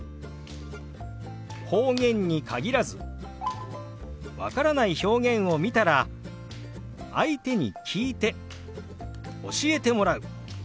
方言に限らず分からない表現を見たら相手に聞いて教えてもらう。